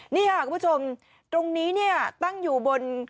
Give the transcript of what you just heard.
นี่ค่ะคุณผู้ชมตรงนี้เนี่ยตั้งอยู่บน